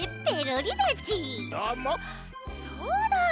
そうだ！